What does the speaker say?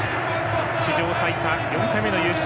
史上最多４回目の優勝